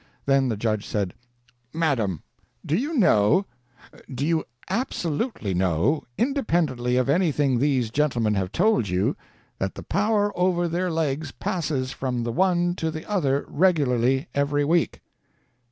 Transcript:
Then the judge said: "Madam, do you know do you absolutely know, independently of anything these gentlemen have told you that the power over their legs passes from the one to the other regularly every week?"